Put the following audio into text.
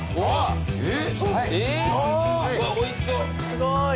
すごい！